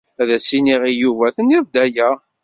Ad as-inniɣ i Yuba tenniḍ-d aya.